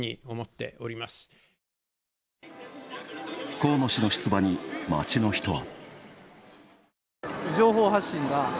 河野氏の出馬に街の人は。